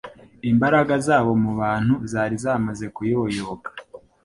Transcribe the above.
Imbaraga zabo mu bantu zari zimaze kuyoyoka